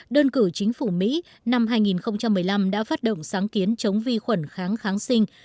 đơn cử chính phủ mỹ năm hai nghìn một mươi năm đã phát động sáng kiến chống vi khuẩn kháng kháng sinh